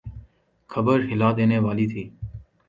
خبر ہلا دینے والی تھی۔